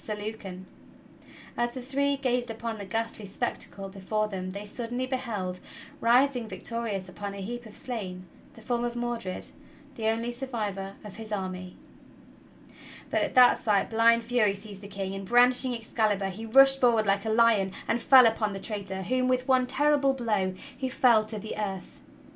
Sir Lucan. As the three gazed upon the ghastly spectacle before them they suddenly beheld, rising victorious upon a heap of slain, the form of Mordred, the only sur vivor of his army. But at that sight blind fury seized the King, and, brandishing Excalibur, he rushed forward like a lion and fell upon the traitor whom, with one terrible blow, he felled to the earth.